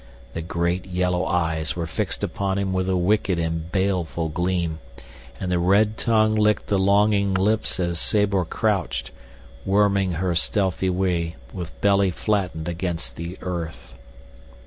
The great yellow eyes were fixed upon him with a wicked and baleful gleam, and the red tongue licked the longing lips as Sabor crouched, worming her stealthy way with belly flattened against the earth.